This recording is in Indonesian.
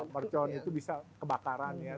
mercon itu bisa kebakarannya